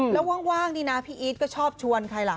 แล้วว่างนี่นะพี่อีทก็ชอบชวนใครล่ะ